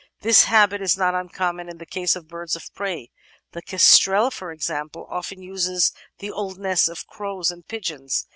This habit is not uncommon in the case of birds of prey; the Kestrel, for example, often uses the old nests of crows and pigeons.